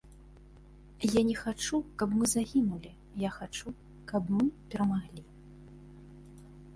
Я не хачу, каб мы загінулі, я хачу, каб мы перамаглі.